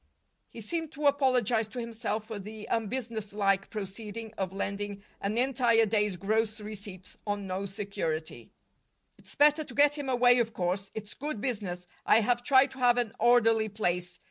He seemed to apologize to himself for the unbusinesslike proceeding of lending an entire day's gross receipts on no security. "It's better to get him away, of course. It's good business. I have tried to have an orderly place.